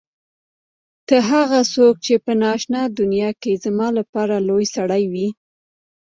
ته هغه څوک چې په نا آشنا دنیا کې زما لپاره لوى سړى وې.